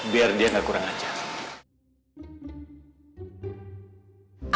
biar dia gak kurang hajar